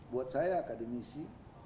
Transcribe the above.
buat saya akademisi